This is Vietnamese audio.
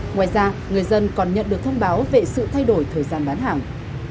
ngoài ra người dân còn nhận được thông báo về sự thay đổi thời gian bán hàng